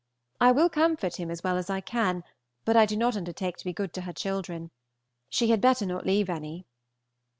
I will comfort him as well as I can, but I do not undertake to be good to her children. She had better not leave any.